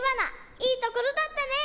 いいところだったね。